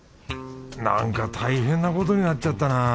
なんか大変なことになっちゃったな